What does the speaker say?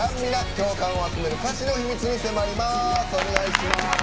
共感を集める歌詞の秘密に迫ります。